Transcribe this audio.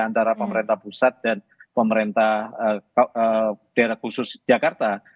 antara pemerintah pusat dan pemerintah daerah khusus jakarta